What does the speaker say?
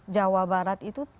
jawa barat itu